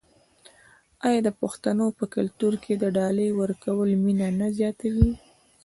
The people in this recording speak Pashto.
آیا د پښتنو په کلتور کې د ډالۍ ورکول مینه نه زیاتوي؟